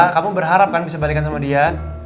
kamu berharap kan bisa balikan sama dia